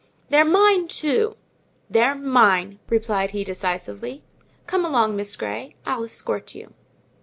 "They're mine too." "They're mine," replied he decisively. "Come along, Miss Grey—I'll escort you."